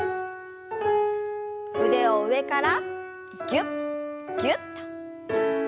腕を上からぎゅっぎゅっと。